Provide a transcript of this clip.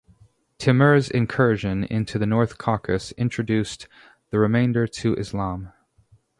Timur's incursion into the North Caucasus introduced the remainder to Islam.